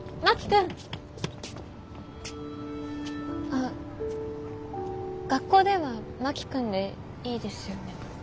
あ学校では真木君でいいですよね？